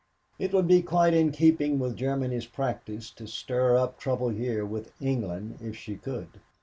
It would be quite in keeping with Germany's practice to stir up trouble here with England if she could.